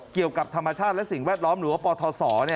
เกี่ยวกับธรรมชาติและสิ่งแวดล้อมหรือว่าปทศ